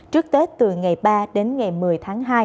trước tết từ ngày ba đến ngày một mươi tháng hai